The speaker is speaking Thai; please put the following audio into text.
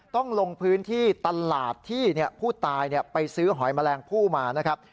ต้องลงพื้นที่ตลาดที่ผู้ตายไปซื้อหอยแมลงผู้มานะครับ